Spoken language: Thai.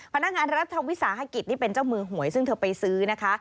พนักงานรัฐวิสาหกิจนี่เป็นเจ้ามือหวยซึ่งเธอไปซื้อนะคะ